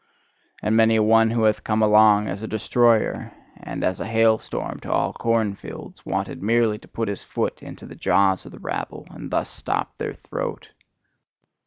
And many a one who hath come along as a destroyer, and as a hailstorm to all cornfields, wanted merely to put his foot into the jaws of the rabble, and thus stop their throat.